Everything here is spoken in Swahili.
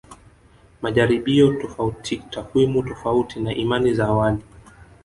Majaribio tofauti takwimu tofauti na imani za awali